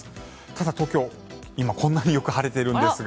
ただ、東京、今こんなによく晴れているんですが。